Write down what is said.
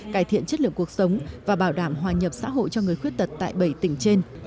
cải thiện chất lượng cuộc sống và bảo đảm hòa nhập xã hội cho người khuyết tật tại bảy tỉnh trên